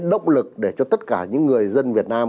động lực để cho tất cả những người dân việt nam